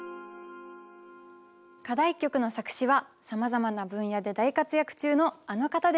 課題曲の作詞はさまざまな分野で大活躍中のあの方です。